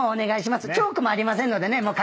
チョークもありませんのでね。